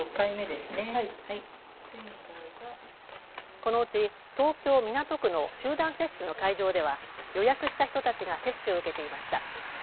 このうち東京港区の集団接種の会場では予約した人たちが接種を受けていました。